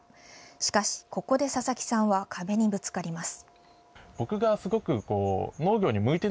しかし、ここで佐々木さんは壁にぶつかります。